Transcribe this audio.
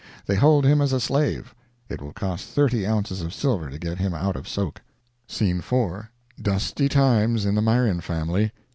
They hold him as a slave. It will cost thirty ounces of silver to get him out of soak. Scene 4.—Dusty times in the Myron family.